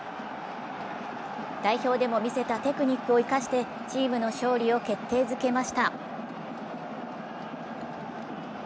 代表でも見せたテクニックを生かしてチームの勝利を決定づけました。